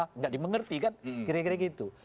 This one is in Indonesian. tidak dimengerti kan kira kira gitu